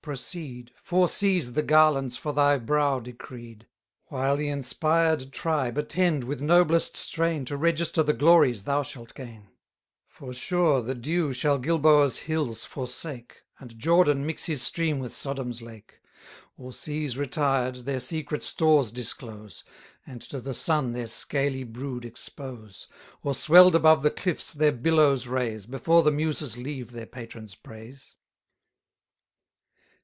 proceed, Foreseize the garlands for thy brow decreed, While the inspired tribe attend with noblest strain To register the glories thou shalt gain: For sure the dew shall Gilboa's hills forsake, And Jordan mix his stream with Sodom's lake; 980 Or seas retired, their secret stores disclose, And to the sun their scaly brood expose, Or swell'd above the cliffs their billows raise, Before the muses leave their patron's praise.